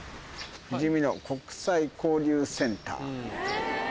「ふじみの国際交流センター」。